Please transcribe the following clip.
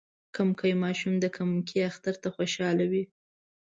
کمکي ماشومان د کمکی اختر ته خوشحاله وی.